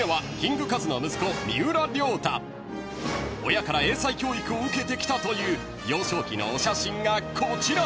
［親から英才教育を受けてきたという幼少期のお写真がこちら！］